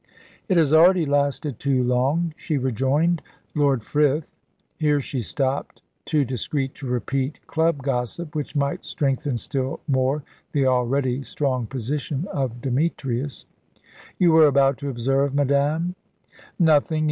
"It has already lasted too long," she rejoined. "Lord Frith " Here she stopped, too discreet to repeat club gossip, which might strengthen still more the already strong position of Demetrius. "You were about to observe, madame?" "Nothing!